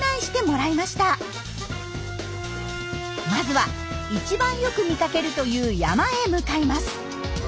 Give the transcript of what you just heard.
まずは一番よく見かけるという山へ向かいます。